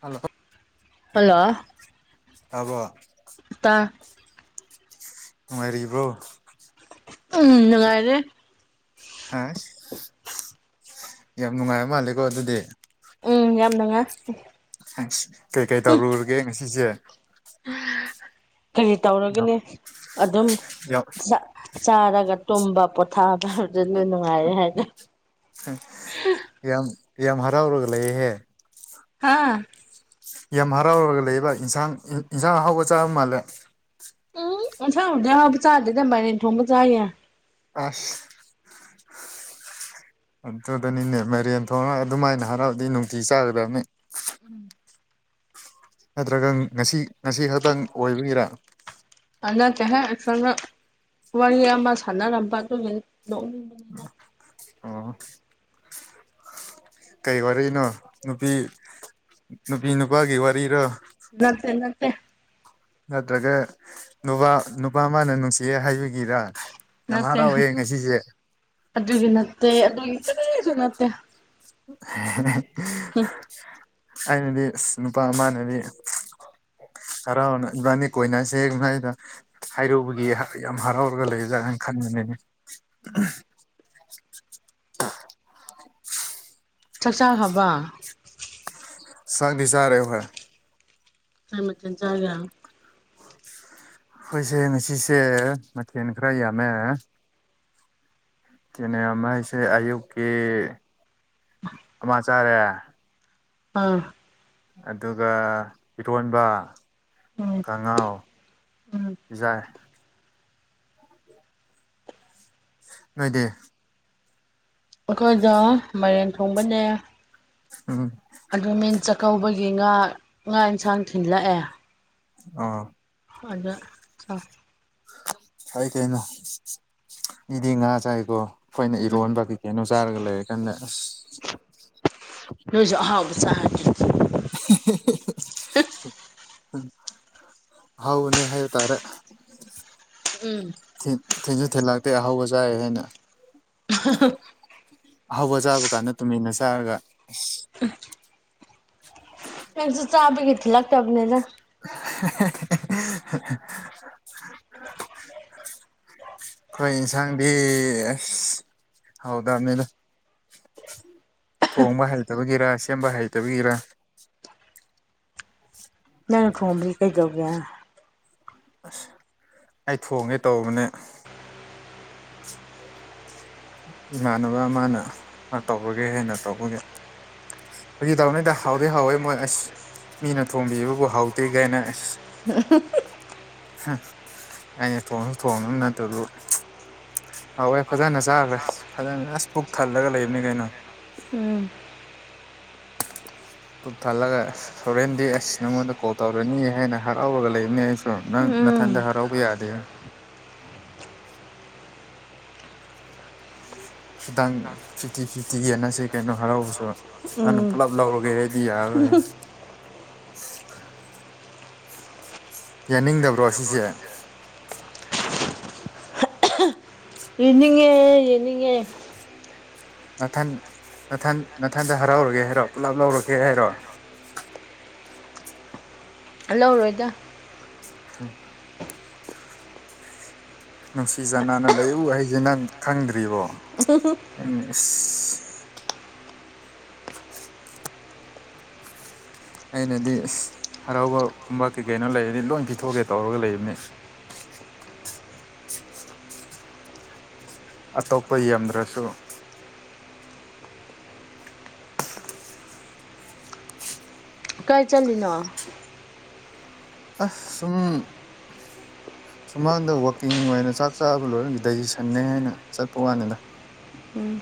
Hello hello ꯑꯕꯣ ꯇꯥ ꯃꯔꯤꯔꯤꯕ꯭ꯔꯣ ꯎꯝ ꯅꯨꯡꯉꯥꯏꯔꯦ ꯍꯥ ꯌꯥꯝ ꯅꯨꯡꯉꯥꯏ ꯃꯥꯜꯂꯦꯀꯣ ꯑꯗꯨꯗꯤ ꯎꯝ ꯌꯥꯝ ꯅꯨꯡꯉꯥꯏ ꯀꯩꯀꯩ ꯇꯧꯔꯨꯔꯒꯦ ꯉꯁꯤꯁꯦ ꯀꯔꯤ ꯇꯧꯔꯒꯅꯤ ꯑꯗꯨꯝ ꯌꯥꯝ ꯆꯥꯔꯒ ꯇꯨꯝꯕ ꯄꯣꯊꯥꯕ ꯍꯥꯏꯕꯗꯨ ꯂꯣꯏ ꯅꯨꯡꯉꯥꯏꯔ ꯍꯥꯏꯅ ꯌꯥꯝ ꯌꯥꯝ ꯍꯔꯥꯎꯔꯒ ꯂꯩꯌꯦꯍꯦ ꯍꯥꯥ ꯌꯥꯝ ꯍꯔꯥꯎꯔꯒ ꯂꯩꯕ ꯏꯟꯁꯥꯡ ꯏꯟꯁꯥꯡ ꯍꯥꯎꯕ ꯆꯥꯕ ꯃꯥꯜꯂꯦ ꯎꯝꯁ ꯍꯗꯕ ꯆꯥꯗꯗ ꯃꯥꯏ ꯊꯣꯡꯕ ꯆꯦ ꯑꯁ ꯑꯗꯨꯗꯅꯤꯅꯦ ꯃꯔꯦꯟ ꯊꯣꯡꯉ ꯑꯗꯨꯃꯥꯏꯅ ꯍꯔꯥꯎꯗꯤ ꯅꯨꯡꯇꯤ ꯆꯥꯒꯗꯕꯅꯤ ꯅꯠꯇ꯭ꯔꯒ ꯉꯁꯤ ꯉꯁꯤ ꯈꯛꯇꯪ ꯑꯣꯏꯕꯤꯒꯤꯔꯦ ꯑꯗꯨ ꯅꯠꯇꯦꯍꯦꯛ ꯑꯩꯣꯅ ꯋꯥꯔꯤ ꯑꯃ ꯁꯥꯟꯅꯔꯝꯕ ꯑꯗꯨꯒꯤ ꯅꯣꯛꯅꯤꯡꯕꯅꯤꯅ ꯑ ꯀꯩ ꯋꯥꯔꯤꯅꯣ ꯅꯨꯄꯤ ꯅꯨꯄꯤ ꯅꯨꯄꯥꯒꯤ ꯋꯥꯔꯤꯔꯣ ꯅꯠꯇꯦ ꯅꯠꯇꯦ ꯅꯠꯇ꯭ꯔꯒ ꯅꯨꯨꯕ ꯅꯨꯄꯥ ꯃꯥꯅꯦꯅꯨꯡ ꯏꯦ ꯍꯥꯏꯕꯒꯤꯔ ꯌꯥꯝ ꯅꯠꯇꯦ ꯍꯔꯥꯎꯋꯦ ꯉꯁꯤꯁꯦ ꯑꯗꯨꯒꯤ ꯅꯠꯇꯦ ꯑꯗꯨꯒꯤ ꯀꯔꯤꯁꯨ ꯅꯠꯇꯦ ꯑꯩꯅꯗꯤ ꯅꯨꯄꯥꯃꯅꯦꯗꯤ ꯈꯔꯥꯎ ꯏꯕꯥꯅꯤ ꯀꯣꯏꯅꯁꯦ ꯃꯥꯏꯗ ꯍꯥꯏꯔꯨꯕꯒꯤ ꯌꯥꯝ ꯍꯔꯥꯎꯔꯒ ꯂꯩꯖꯥ ꯍꯥꯏꯅ ꯈꯟꯕꯅꯤꯅꯦ ꯆꯥꯛꯆꯥꯥꯛ ꯍꯥꯕ ꯁꯛꯗꯤ ꯆꯥꯔꯣ ꯍꯥꯏꯣꯏ ꯥꯏ ꯃ ꯆꯖꯒꯦ ꯑꯩꯈꯣꯏꯁꯦ ꯉꯁꯤꯁꯦ ꯃꯊꯦꯜ ꯈꯔ ꯌꯥꯝꯃꯦ ꯀꯦꯅꯦꯃꯩꯁꯦ ꯑꯌꯨꯛꯀꯤ ꯑꯃ ꯆꯥꯔꯦ ꯑꯥ ꯑꯗꯨꯒ ꯏꯔꯣꯟꯕ ꯎꯝ ꯈꯉꯥꯎ ꯎꯝ ꯌꯥꯏ ꯅꯣꯏꯗ ꯑꯩꯈꯣꯏꯗ ꯃꯔꯦꯟ ꯊꯣꯡꯕꯅꯦ ꯎꯝ ꯑꯗꯨ ꯃꯤꯟ ꯆꯥꯛꯀꯧꯕꯒꯤ ꯉꯥ ꯉꯥ ꯑꯦꯟꯁꯥꯡ ꯊꯤꯟꯜꯂꯛꯑꯦ ꯑ ꯑꯗ ꯑꯥꯏꯇꯅꯣ ꯏꯗꯤ ꯉꯥ ꯆꯥꯏꯒꯣ ꯑꯩꯈꯣꯏꯅ ꯎꯝ ꯏꯔꯣꯟꯕ ꯀꯩ ꯀꯩꯅꯣ ꯆꯥꯔꯒ ꯂꯩꯔ ꯀꯥꯟꯗ ꯑꯁ ꯂꯁꯨ ꯑꯍꯥꯎꯕ ꯆ ꯍꯥꯎꯅꯦ ꯍꯥꯏ ꯇꯔꯦ ꯎꯝ ꯎꯝ ꯊꯤꯟꯁꯨ ꯊꯤꯟꯂꯛꯇꯦ ꯑꯍꯥꯎꯕ ꯆꯥ ꯍꯥꯏꯅ [unintelligible] ꯍꯧꯕ ꯆꯥꯕ ꯀꯥꯟꯗ ꯇꯨꯃꯤꯟꯅ ꯆꯥꯔꯒ ꯑ ꯑ ꯃꯁꯨ ꯆꯥꯕꯒꯤꯈꯤ ꯂꯥꯛ ꯇꯕꯅꯦꯅ [unintelligible] ꯑꯩꯈꯣꯏ ꯌꯦꯟꯁꯥꯡꯗꯤ ꯑꯁ ꯍꯧꯗꯕꯅꯤꯅ ꯊꯣꯡꯕ ꯍꯩꯇꯕꯒꯤꯔ ꯁꯦꯝꯕ ꯍꯩꯇꯕꯒꯤꯔ ꯎ ꯅꯪꯅ ꯊꯣꯡꯝꯕꯕꯤ ꯀꯩꯗꯧꯒꯦ ꯑꯁ ꯑꯩ ꯊꯣꯡꯉꯦ ꯇꯧꯕꯅꯦ ꯏꯃꯥꯟꯅꯕ ꯑꯃꯅ ꯇꯧꯔꯒꯦ ꯍꯦꯟꯅ ꯇꯧꯕꯒꯦ ꯍꯧꯖꯤꯛ ꯇꯥꯎꯅꯤꯗ ꯍꯥꯎꯗꯤꯦ ꯍꯥꯎꯋꯦ ꯃꯣꯏ ꯑꯁ ꯃꯤꯅ ꯊꯣꯡꯕꯤꯕꯕꯨ ꯍꯥꯎꯗꯦ ꯀꯥꯏꯅ ꯑꯁ ꯎꯝ ꯑꯩꯅ ꯊꯣꯡꯁꯨ ꯊꯣꯡꯅꯕ ꯅꯠꯇꯕꯗ ꯍꯋꯦ ꯐꯖꯅ ꯆꯥꯈ꯭ꯔꯦ ꯐꯖꯅ ꯑꯖꯁ ꯄꯨꯛ ꯊꯜꯂꯒ ꯂꯩꯕꯅꯤ ꯀꯩꯅꯣ ꯎꯝ ꯇꯨꯞ ꯊꯜꯂꯒ ꯍꯣꯔꯦꯟꯗꯤ ꯑꯁ ꯅꯪꯉꯣꯟꯗ ꯀꯣꯜ ꯇꯧꯔꯅꯤ ꯍꯥꯏꯅ ꯍꯔꯥꯎꯔꯒ ꯂꯩꯕꯅꯦ ꯑꯩꯁꯨ ꯅꯪ ꯅꯊꯟꯗ ꯍꯔꯥꯎꯕ ꯌꯥꯗꯦ ꯈꯤꯇꯪ ꯐꯤꯐꯇꯤ ꯐꯤꯐꯇꯤꯒꯤ ꯌꯦꯟꯅꯁꯦ ꯀꯩꯅꯣ ꯍꯔꯥꯎꯕꯁꯨ ꯅꯪꯅ ꯎꯝ ꯎꯝ ꯄꯨꯂꯞ ꯂꯧꯔꯒꯦꯗꯤ ꯌꯥꯔꯔꯣꯏꯍꯦ ꯌꯦꯡꯅꯤꯡꯗꯕ꯭ꯔꯣ ꯁꯤꯁꯦ ꯌꯦꯅꯤꯡꯉꯦ ꯌꯦꯅꯤꯡꯉꯦ ꯅꯊꯟ ꯅꯊꯟ ꯅꯊꯟꯗ ꯍꯔꯥꯎꯔꯒꯦ ꯍꯥꯏꯔꯣ ꯄꯨꯂꯞ ꯂꯧꯔꯒꯦ ꯍꯥꯏꯔꯣ ꯂꯧꯔꯣꯏꯗ ꯈꯔꯕ ꯅꯨꯡꯁꯤ ꯆꯥꯟꯅꯅ ꯂꯩꯌꯨ ꯍꯥꯏꯁꯦ ꯅꯪ ꯈꯪꯗ꯭ꯔꯤꯕꯣ ꯎꯝ ꯍꯝ ꯍ ꯏꯁ [inaudible] ꯑꯩꯅꯗꯤ ꯏꯁ ꯍꯔꯥꯎꯕꯒꯨꯝꯕ ꯀꯩ ꯀꯩꯅꯣ ꯂꯩꯔꯗꯤ ꯂꯣꯏ ꯄꯤꯊꯣꯛꯀꯦ ꯇꯧꯔꯒ ꯂꯩꯕꯅꯦ ꯑꯇꯣꯞꯄ ꯌꯦꯟꯗ꯭ꯔꯁꯨ ꯀꯥꯏ ꯆꯠꯂꯤꯅꯣ ꯑꯁ ꯁꯨꯝ ꯁꯨꯃꯥꯡꯗ ꯋꯥꯛꯀꯤꯡ ꯑꯣꯏꯅ ꯆꯥꯛ ꯆꯥꯕ ꯂꯣꯏꯔ ꯗꯥꯏꯖꯦꯁꯟꯅꯦ ꯍꯥꯏꯅ ꯆꯠꯄ ꯋꯥꯅꯤꯗꯥ ꯎꯝ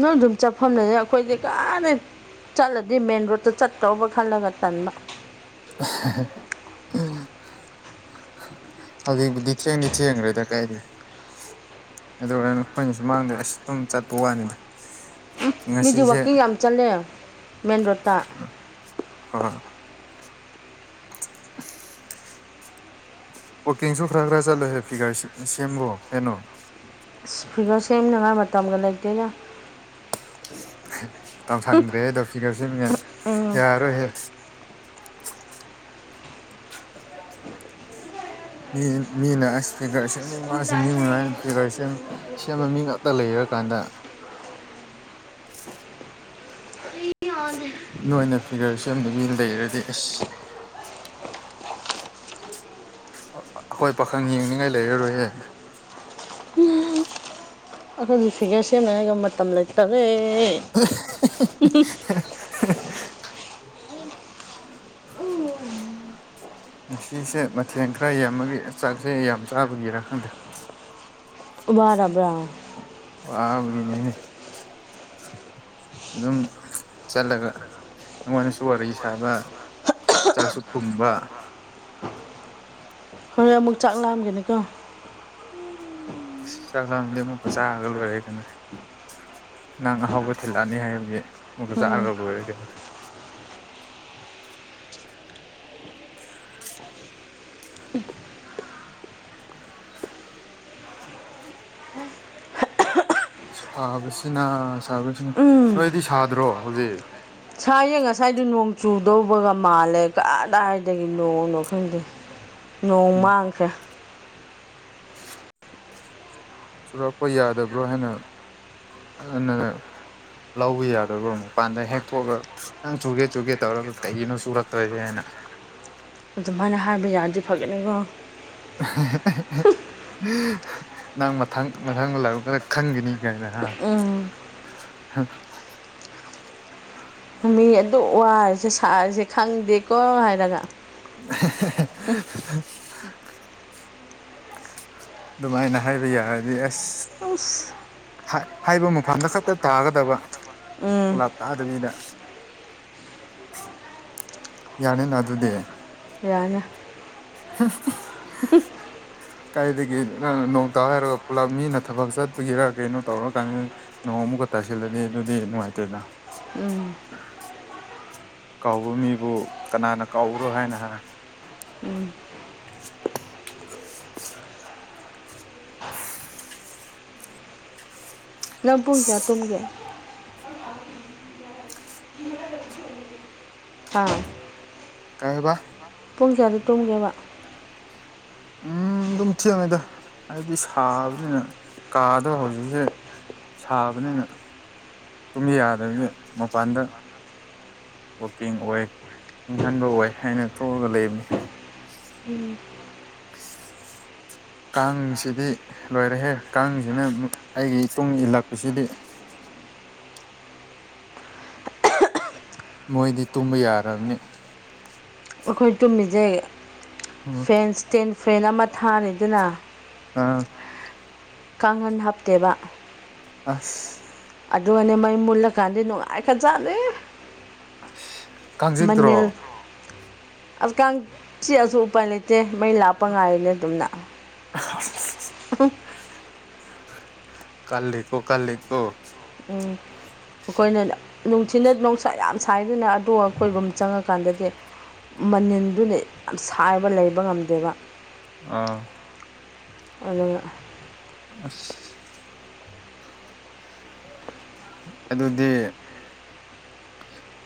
ꯅꯣꯏ ꯗꯨꯝ ꯆꯠꯐꯝ ꯂꯩꯌꯦ ꯑꯩꯈꯣꯏꯗꯤ ꯀꯥꯏꯗꯩꯩ ꯆꯠꯂꯗꯤ ꯃꯦꯟꯔꯣꯠꯇ ꯆꯠꯇꯧꯕ ꯈꯜꯂꯒ ꯇꯟꯕ ꯑꯍꯍ [unintelligible] ꯎꯝ ꯍ ꯍꯌꯦꯡ ꯕꯨꯗꯤ ꯊꯦꯡꯗꯤ ꯊꯦꯡꯒꯔ꯭ꯦꯗ ꯀꯥꯏꯗꯩꯅꯣ ꯀꯩꯗꯧꯋꯦ ꯍꯥꯏꯅꯣ ꯑꯩꯈꯣꯏꯅ ꯁꯨꯃꯥꯡꯗ ꯑꯁ ꯇꯨꯝ ꯆꯠꯄ ꯋꯥꯏꯅꯗ꯫ ꯃꯤꯗꯤ ꯋꯥꯛꯀꯤꯡ ꯌꯥꯝ ꯆꯠꯂꯦ ꯃꯦꯟ ꯔꯣꯠꯇ꯫ ꯍꯣꯏ꯫ ꯑꯁ꯫ ꯋꯥꯀꯤꯡꯁꯨ ꯈꯔ ꯈꯔ ꯆꯠꯂ ꯍꯦ ꯐꯤꯒꯔ ꯁꯦꯝꯃꯣ ꯀꯩꯅꯣ꯫ ꯐꯤꯒꯔ ꯁꯦꯝꯅꯕ ꯃꯇꯝꯒ ꯂꯩꯇꯦꯗ꯫ ꯃꯇꯝ ꯁꯪꯗ꯭ꯔꯦꯍꯦꯗꯣ ꯐꯤꯒꯔ ꯁꯦꯝꯅꯤꯡꯉꯥꯏ ꯎꯝ ꯌꯥꯔꯔꯣꯏꯍꯦ꯫ [unintelligible] [inaudible] ꯃꯤ ꯃꯤꯅ ꯑꯁ ꯐꯤꯒꯔ ꯁꯦꯝꯅꯤꯡꯕꯅ ꯁꯦꯝꯅꯤꯡꯕꯅ ꯑꯩ ꯐꯤꯒꯔ ꯁꯦꯝ ꯁꯦꯝꯕ ꯃꯤ ꯉꯥꯛꯇ ꯂꯩꯔꯀꯥꯟꯗ꯫ ꯅꯣꯏꯅ ꯐꯤꯒꯔ ꯁꯦꯝꯗꯕꯤ ꯂꯩꯔꯗꯤ ꯑꯁ꯫ ꯑꯈꯣꯏ ꯄꯥꯈꯪ ꯌꯦꯡꯅꯤꯡꯉꯥꯏ ꯂꯩꯔꯔꯣꯏ ꯍꯦ꯫ ꯑꯩꯈꯣꯏꯅꯤ ꯐꯤꯒꯔ ꯁꯦꯝꯅꯤꯡꯉꯥꯏꯒ ꯃꯇꯝ ꯂꯩꯇꯔꯦ꯫ [unintelligible] [inaudible] ꯉꯁꯤꯁꯦ ꯃꯊꯦꯟ ꯈꯔ ꯌꯥꯝꯕꯒꯤ ꯆꯥꯛꯁꯦ ꯌꯥꯝ ꯆꯥꯕꯒꯤꯔ ꯈꯪꯗꯦ꯫ ꯋꯥꯔꯕ꯭ꯔꯥ꯫ ꯋꯥꯕꯒꯤꯅꯤꯅꯦ꯫ ꯑꯗꯨꯝ ꯆꯠꯂꯒ ꯅꯨꯡꯉꯥꯏꯅꯁꯨ ꯋꯥꯔꯤ ꯁꯥꯕ꫰꫰ ꯆꯥꯛꯁꯨ ꯇꯨꯝꯕ꯫ ꯍꯣꯔꯦꯟ ꯑꯃꯨꯛ ꯆꯥꯛ ꯂꯥꯝꯒꯦꯔꯀꯣ꯫ ꯆꯥꯛ ꯂꯥꯝꯃꯗꯤ ꯑꯃꯨꯛꯀ ꯆꯥꯔꯒ ꯂꯣꯏꯔꯦ ꯀꯩꯅꯣ꯫ ꯅꯪ ꯑꯍꯥꯎꯕ ꯊꯤꯜꯂꯛꯑꯅꯤ ꯍꯥꯏꯕꯒꯤ ꯑꯃꯨꯛꯀ ꯎꯝ ꯆꯥꯔꯒ ꯂꯣꯏꯔꯦ ꯀꯩꯅꯣ꯫ [unintelligible] ꯁꯥꯕꯁꯤꯅ ꯁꯥꯕꯁꯤꯅ ꯎꯝ ꯅꯣꯏꯗꯤ ꯁꯥꯗ꯭ꯔꯣ ꯍꯧꯖꯤꯛ꯫ ꯁꯥꯏꯌꯦ ꯉꯁꯥꯏꯗꯨ ꯅꯣꯡ ꯆꯨꯗꯧꯕꯒ ꯃꯥꯜꯂꯦ ꯀꯗꯥꯏꯗꯒꯤ ꯅꯣꯡꯅꯣ ꯈꯪꯗꯦ꯫ ꯅꯣꯡ ꯃꯥꯡꯈ꯭ꯔꯦ꯫ ꯆꯨꯔꯛꯄ ꯌꯥꯗꯕ꯭ꯔꯣ ꯍꯥꯏꯅ ꯑꯗꯨꯅ ꯂꯧꯕ ꯌꯥꯗꯕ꯭ꯔꯣ ꯃꯄꯥꯟꯗ ꯍꯦꯛꯊꯣꯛꯑꯒ ꯅꯪ ꯆꯨꯒꯦ ꯆꯨꯒꯦ ꯇꯧꯔꯒ ꯀꯩꯒꯤꯅꯣ ꯆꯨꯔꯛꯇ꯭ꯔꯗꯤ ꯍꯥꯏꯅ꯫ ꯑꯗꯨꯃꯥꯏꯅ ꯍꯥꯏꯕ ꯌꯥꯔꯗꯤ ꯐꯒꯅꯤꯒꯣ꯫ [unintelligible] ꯅꯪ ꯃꯊꯪ ꯃꯊꯪꯒ ꯂꯥꯏꯕꯛꯅ ꯈꯪꯒꯅꯤ ꯀꯥꯏꯅ ꯍꯥ꯫ ꯎꯝ꯫ [unintelligible] ꯃꯤ ꯑꯗꯨꯛ ꯋꯥꯔꯤꯁ‌ꯦ ꯁꯥꯔꯤꯁꯦ ꯈꯪꯗꯦꯀꯣ ꯍꯥꯏꯔꯒ꯫ [unintelligible] ꯑꯗꯨꯃꯥꯏꯅ ꯍꯥꯏꯕ ꯌꯥꯔꯗꯤ ꯑꯁ꯫ ꯑꯁ ꯍꯥ ꯍꯥꯏꯕ ꯃꯐꯝꯗ ꯈꯠꯇ ꯇꯥꯒꯗꯕ ꯎꯝ ꯄꯨꯂꯞ ꯇꯥꯗꯕꯤꯗ꯫ ꯌꯥꯅꯤꯅ ꯑꯗꯨꯗꯤ꯫ ꯌꯥꯏꯅꯦ꯫ [unintelligible] [unintelligible] ꯀꯥꯏꯗꯒꯤ ꯅꯪ ꯅꯣꯡ ꯇꯥꯎ ꯍꯥꯏꯔꯒ ꯄꯨꯂꯞ ꯃꯤꯅ ꯊꯕꯛ ꯆꯠꯄꯒꯤꯔꯥ ꯀꯩꯅꯣ ꯇꯧꯔ ꯀꯥꯟꯗ ꯅꯣꯡ‌‌ ꯑꯃꯨꯛꯀ ꯇꯥꯁꯤꯜꯂꯗꯤ ꯑꯗꯨꯗꯤ ꯅꯨꯡꯉꯥꯏꯇꯦꯗ꯫ ꯎꯝ꯫ ꯀꯥꯎꯕ ꯃꯤꯕꯨ ꯀꯅꯥꯅ ꯀꯥꯎꯕꯔꯣ ꯍꯥꯏꯅ ꯍꯥ꯫ ꯎꯝ꯫ [unintelligible] ꯅꯪ ꯄꯨꯡ ꯀꯌꯥ ꯇꯨꯝꯒꯦ꯫ ꯍꯥ꯫ ꯀꯩꯍꯥꯏꯕ ꯄꯨꯡ ꯀꯌꯥꯗ ꯇꯨꯝꯒꯦꯕ ꯎꯝ ꯑꯗꯨꯝ ꯊꯦꯡꯉꯤꯗ ꯍꯥꯏꯕꯗꯤ ꯁꯥꯕꯅꯤꯅ ꯀꯥꯗꯣ ꯍꯧꯖꯤꯛꯁꯦ ꯁꯥꯕꯅꯤꯅ ꯇꯨꯝꯕ ꯌꯥꯗꯕꯒꯤ ꯃꯄꯥꯟꯗ ꯋꯥꯛꯀꯤꯡ ꯑꯣꯏ ꯏꯪꯍꯟꯕ ꯑꯣꯏ ꯍꯥꯏꯅ ꯊꯣꯛꯑꯒ ꯂꯩꯕꯅꯦ ꯎꯝ [inaudible] ꯀꯥꯡꯁꯤꯗꯤ ꯂꯣꯏꯔꯦꯍꯦ ꯀꯥꯡꯁꯤꯅ ꯑꯩꯒꯤ ꯏꯇꯨꯡ ꯏꯜꯂꯛꯄꯁꯤꯗꯤ ꯃꯣꯏꯗꯤ ꯇꯨꯝꯕ ꯌꯥꯔꯝꯅꯤ ꯑꯩꯈꯣꯏ ꯇꯨꯝꯃꯤꯖꯦ ꯎꯝ ꯐꯦꯟꯁ ꯏꯁꯇꯦꯟ ꯐꯦꯟ ꯑꯃ ꯊꯥꯔꯦ ꯗꯅ ꯑꯥ ꯀꯥꯡꯍꯟ ꯍꯥꯞꯇꯦꯕ ꯑꯁ ꯑꯗꯨꯒꯅꯦ ꯃꯩ ꯃꯨꯠꯂꯀꯥꯟꯗꯤ ꯅꯨꯡꯉꯥꯏꯈ꯭ꯔꯖꯥꯠꯅꯤ [unintelligible] ꯃꯅꯤꯜ ꯑꯁ ꯀꯥꯡ ꯆꯤꯛꯑꯁꯨ ꯎꯄꯥꯏ ꯂꯩꯇꯦ ꯃꯩ ꯂꯥꯞꯄ ꯉꯥꯏꯔꯤꯅꯦ ꯑꯗꯨꯝꯅ ꯀꯜꯂꯤꯀꯣ ꯀꯜꯂꯤꯀꯣ ꯎꯝ ꯑꯩꯈꯣꯏꯅ ꯅꯨꯡꯊꯤꯟꯗ ꯅꯨꯡꯁꯥ ꯌꯥꯝ ꯁꯥꯏꯗꯅ ꯑꯗꯣ ꯑꯩꯈꯣꯏ ꯔꯨꯝ ꯆꯪꯉꯀꯥꯟꯗꯗꯤ ꯃꯅꯤꯟꯗꯨꯅꯦ ꯌꯥꯝ ꯁꯥꯏꯕ ꯂꯩꯕ ꯉꯝꯗꯦꯕ ꯑꯥ ꯑꯗꯨꯅ ꯑꯁ ꯑꯗꯨꯗꯤ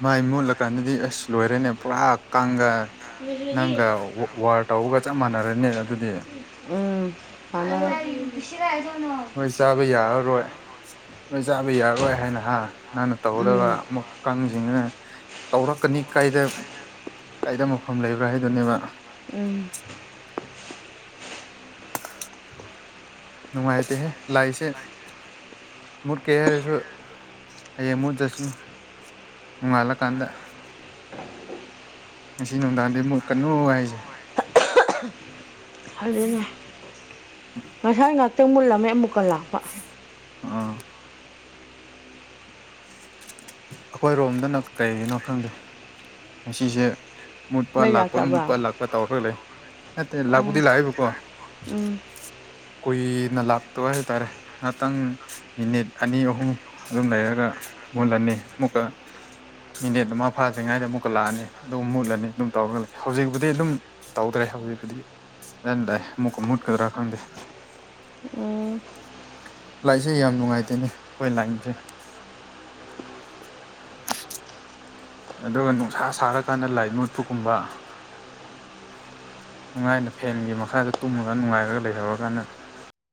ꯃꯩ ꯃꯨꯠꯂꯀꯥꯟꯗꯗꯤ ꯑꯁ ꯂꯣꯏꯔꯦꯅꯦ ꯄꯨꯔꯥ ꯀꯥꯡꯗ ꯅꯪꯒ ꯋꯥꯔ ꯇꯧꯕꯒ ꯆꯞ ꯃꯥꯟꯅꯔꯅꯤ ꯑꯗꯨꯗꯤ ꯎꯝ ꯐ ꯍꯣꯏ ꯆꯥꯕ ꯌꯥꯔꯔꯣꯏ ꯅꯣꯏ ꯆꯥꯕ ꯌꯥꯔꯔꯣꯏ ꯍꯥꯏꯅ ꯍꯥ ꯅꯪꯅ ꯇꯧꯒꯗꯕ ꯎꯝ ꯀꯥꯡꯁꯤꯡꯁꯤꯅ ꯇꯧꯔꯛꯀꯅꯤ ꯀꯥꯏꯗ ꯀꯥꯏꯗ ꯃꯐꯝ ꯂꯩꯕ꯭ꯔꯥ ꯍꯥꯏꯗꯨꯣꯏꯅꯦꯕ ꯎꯝ ꯅꯨꯡꯉꯥꯏꯇꯦꯍꯦ ꯂꯥꯏꯁꯦ ꯃꯨꯠꯀꯦ ꯍꯥꯏꯔꯁꯨ ꯍꯌꯦꯡ ꯃꯨꯠꯇ ꯆꯁꯨ ꯅꯣꯡꯉꯥꯜꯂꯀꯥꯟꯗ ꯉꯁꯤ ꯅꯨꯡꯗꯥꯡꯗꯤꯨꯛ ꯀꯟꯅꯣ ꯍꯥꯏꯁꯦ ꯑꯗꯨꯅ ꯉꯁꯥꯏ ꯉꯍꯥꯛꯇꯪ ꯃꯨꯜꯂꯝꯃꯦ ꯑꯃꯨꯛꯀꯜꯂꯥꯑꯣ [unintelligible] ꯑꯩꯈꯣꯏꯔꯣꯝꯗꯅ ꯀꯔꯤꯅꯣ ꯈꯪꯗꯦ ꯉꯁꯤꯁꯦ ꯃꯨꯠꯄ ꯃꯩ ꯂꯥꯛꯄ ꯂꯥꯛꯇꯕ꯭ꯔꯥ ꯃꯨꯠꯄ ꯂꯥꯛꯄ ꯇꯧꯔꯒ ꯂꯩ ꯅꯠꯇꯦ ꯎꯝ ꯂꯥꯛꯄꯨꯗꯤ ꯂꯥꯛꯑꯏꯕꯀꯣ ꯎꯝ ꯀꯨꯏꯅ ꯂꯥꯛꯇꯣꯏ ꯍꯥꯏꯇꯥꯔꯦ ꯉꯍꯥꯛꯇꯪ ꯃꯤꯅꯤꯠ ꯑꯅꯤ ꯑꯍꯨꯝ ꯑꯗꯨꯝ ꯂꯩꯔꯒ ꯃꯨꯜꯂꯅꯤ ꯑꯃꯨꯛꯀ ꯃꯤꯅꯦꯠ ꯑꯃ ꯐꯥꯗ꯭ꯔꯤꯉꯩꯗ ꯑꯃꯨꯛꯀ ꯂꯥꯛꯑꯅꯤ ꯑꯗꯨꯝ ꯃꯨꯠꯂꯅꯤ ꯑꯗꯨꯝ ꯇꯧꯔꯒ ꯂꯩ ꯍꯧꯖꯤꯛꯄꯨꯗꯤ ꯑꯗꯨꯝ ꯇꯧꯗ꯭ꯔꯦ ꯍꯧꯖꯤꯛꯄꯗꯤ ꯑꯗꯨꯟꯗꯥꯏ ꯑꯃꯨꯛꯀ ꯃꯨꯠꯀꯗ꯭ꯔꯥ ꯈꯪꯗꯦ [unintelligible] ꯂꯥꯏꯛꯁꯦ ꯌꯥꯝ ꯅꯨꯡꯉꯥꯏꯇꯦꯅꯦ ꯑꯩꯈꯣꯏ ꯂꯥꯏꯟꯁꯦ ꯑꯗꯨꯒ ꯅꯨꯡꯁꯥ ꯁꯥꯔꯀꯥꯟꯗ ꯂꯥꯏ ꯃꯨꯠꯄꯒꯨꯝꯕ ꯅꯨꯡꯉꯥꯏꯅ ꯐꯦꯟꯒꯤ ꯃꯈꯥꯗ ꯇꯨꯝꯃꯒ ꯅꯨꯡꯉꯥꯏꯔꯒ ꯂꯩꯍꯧꯔꯀꯥꯟꯗ